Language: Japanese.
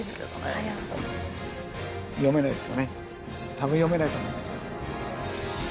多分読めないと思います。